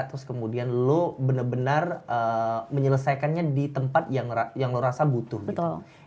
terus kemudian lo benar benar menyelesaikannya di tempat yang lo rasa butuh gitu